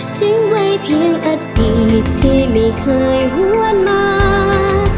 ทิ้งไว้เพียงอดีตที่ไม่เคยหวนมา